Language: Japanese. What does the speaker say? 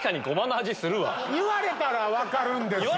言われたら分かるんですよ。